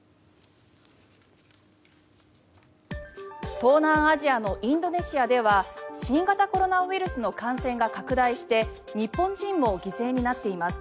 東南アジアのインドネシアでは新型コロナウイルスの感染が拡大して日本人も犠牲になっています。